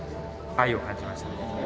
愛を感じましたね。